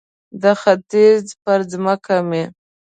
د ختیځ پر مځکه مې